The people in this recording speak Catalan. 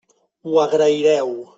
Ho agraireu.